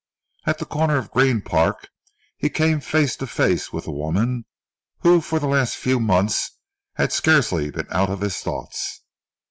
At the corner of Green Park, he came face to face with the woman who for the last few months had scarcely been out of his thoughts.